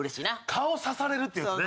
「顔さされる」ってやつね。